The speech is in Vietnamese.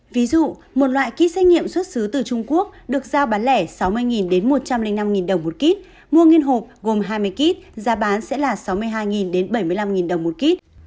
ví dụ một loại ký xét nghiệm xuất xứ từ trung quốc được giao bán lẻ sáu mươi một trăm linh năm đồng một ký mua nghiên hộp gồm hai mươi kíp giá bán sẽ là sáu mươi hai bảy mươi năm đồng một ký